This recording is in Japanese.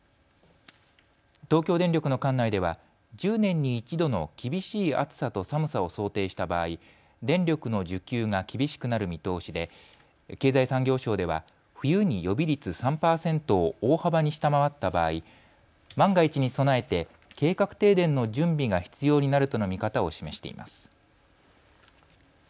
東京電力の管内では１０年に１度の厳しい暑さと寒さを想定した場合、電力の需給が厳しくなる見通しで経済産業省では冬に予備率３％を大幅に下回った場合、万が一に備えて計画停電の準備が必要になるとの見方を示しています。